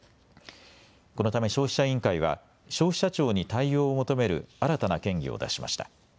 このため消費者委員会は消費者庁に対応を求める新たな建議を出しました。